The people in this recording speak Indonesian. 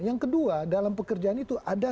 yang kedua dalam pekerjaan itu ada